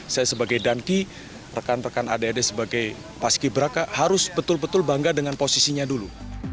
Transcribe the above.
saya sebagai danki rekan rekan adad sebagai paskiberaka harus betul betul bangga dengan posisinya dulu